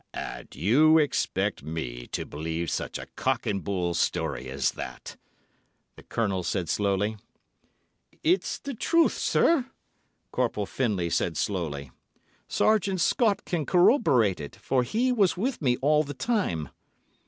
"And you expect me to believe such a cock and bull story as that," the Colonel said slowly. "It's the truth, sir," Corporal Findlay said slowly. "Sergeant Scott can corroborate it, for he was with me all the time."